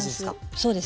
そうですね。